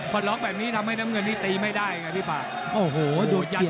พอล็อกแบบนี้ทำให้น้ำเงินนี้ตีไม่ได้ไงพี่ปากโอ้โหดูยัน